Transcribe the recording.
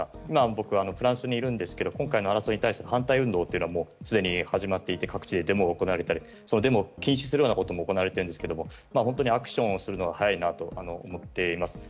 僕、今フランスにいるんですが今回の争いに対して反対運動がすでに行われていて各地でデモが行われたりそのデモを禁止するようなことも行われているんですが本当にアクションをするのが大変だなと思います。